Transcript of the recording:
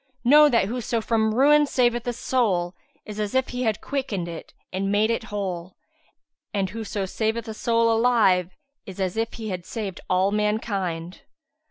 Know that whoso from ruin saveth a soul, is as if he had quickened it and made it whole; and whoso saveth a soul alive, is as if he had saved all mankind.